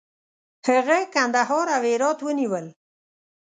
هغه کندهار او هرات ونیول.